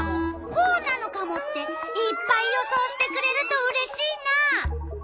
こうなのカモ？」っていっぱい予想してくれるとうれしいな！